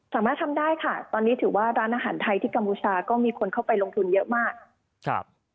สามารถทำได้ค่ะตอนนี้ถือว่าร้านอาหารไทยที่กัมพูชาก็มีคนเข้าไปลงทุนเยอะมากครับ